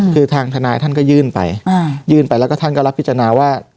คือทางทนายท่านก็ยื่นไปยื่นไปแล้วก็ท่านก็รับพิจารณาว่า